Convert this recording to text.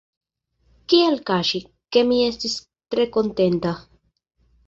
Kial kaŝi, ke mi estis tre kontenta?.